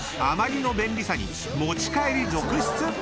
［あまりの便利さに持ち帰り続出］